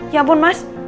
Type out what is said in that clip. ya ampun mas